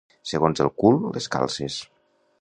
Segons el cul, les calces.